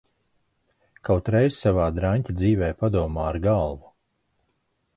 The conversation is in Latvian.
Kaut reizi savā draņķa dzīvē padomā ar galvu!